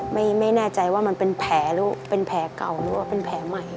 ไม่แน่ใจว่ามันเป็นแผลหรือเป็นแผลเก่าหรือว่าเป็นแผลใหม่